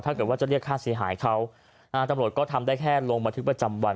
ถ้าเกิดว่าจะเรียกค่าเสียหายเขาอ่าตำรวจก็ทำได้แค่ลงบันทึกประจำวัน